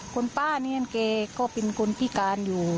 คนป้านี่เคยก็เป็นคนพิการอยู่